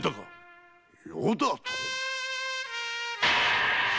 「余」だと？